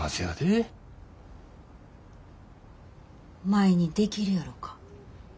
舞にできるやろか。